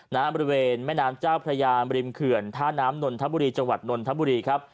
บริเวณแม่น้ำเจ้าพระยามริมเขื่อนท่าน้ำนนทบุรีจังหวัดนนทบุรีครับ